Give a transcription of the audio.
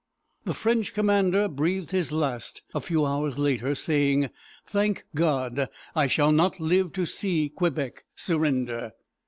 The French commander breathed his last a few hours later, saying: "Thank God, I shall not live to see Quebec surrender!"